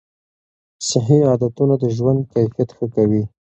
صحي عادتونه د ژوند کیفیت ښه کوي.